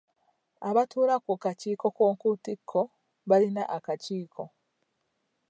Abatuula ku kakiiko k'oku ntikko baalina akakiiko.